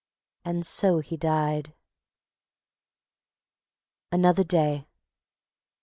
." and so he died. Another day.